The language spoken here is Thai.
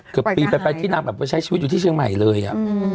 เกือบปีไปที่นางแบบไปใช้ชีวิตอยู่ที่เชียงใหม่เลยอ่ะ